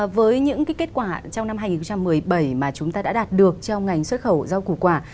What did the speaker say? với những kết quả trong năm hai nghìn một mươi bảy mà chúng ta đã đạt được trong ngành xuất khẩu rau củ quả